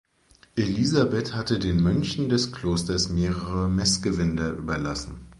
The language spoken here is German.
Elisabeth hatte den Mönchen des Klosters mehrere Messgewänder überlassen.